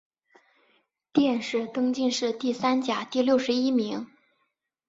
殿试登进士第三甲第六十一名。